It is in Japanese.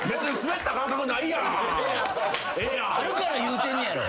あるから言うてんねやろ。